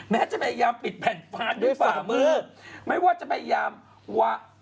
ไม่ว่าจะพยายามว่า